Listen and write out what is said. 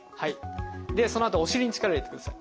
そのあとはお尻に力を入れてください。